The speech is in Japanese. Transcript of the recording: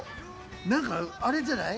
何かあれじゃない？